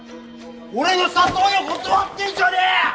俺の誘いを断ってんじゃねえ！